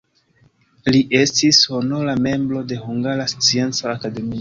Li estis honora membro de Hungara Scienca Akademio.